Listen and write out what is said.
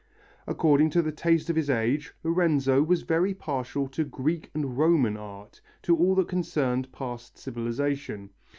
According to the taste of his age, Lorenzo was very partial to Greek and Roman art, to all that concerned past civilization.